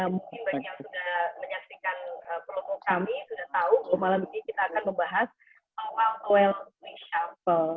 mungkin bagi yang sudah menyaksikan program kami sudah tahu malam ini kita akan membahas novel toil reshuffle